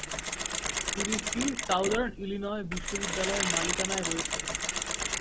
সিরিজটি Southern Illinois বিশ্ববিদ্যালয়ের মালিকানায় রয়েছে।